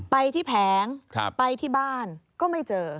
ไปที่แผงไปที่บ้านก็ไม่เจอ